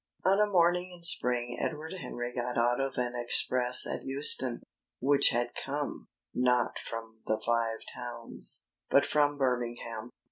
On a morning in spring Edward Henry got out of an express at Euston, which had come, not from the Five Towns, but from Birmingham.